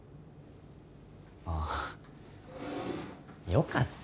ああよかった